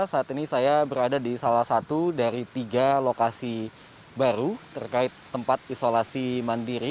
saat ini saya berada di salah satu dari tiga lokasi baru terkait tempat isolasi mandiri